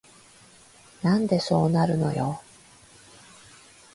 なんでそうなるのよ